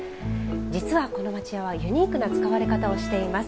実はこの町家はユニークな使われ方をしています。